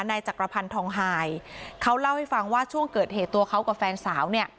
นายจักรพันธ์ทองหายเขาเล่าให้ฟังว่าช่วงเกิดเหตุตัวเขากับแฟนสาวเนี่ย